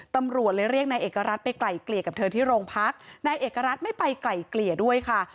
ตำรวจเลยเรียกนายเอกรัฐไปไกลเกลี่ยกับเธอที่โรงพักนายเอกรัฐไม่ไปไกล่เกลี่ยด้วยค่ะ